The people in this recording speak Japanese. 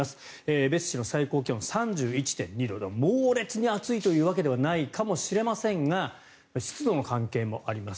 江別市の最高気温３１．２度で猛烈に暑いというわけではないかもしれませんが湿度の関係もあります。